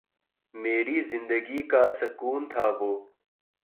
میری زندگی کا سکون تھا وہ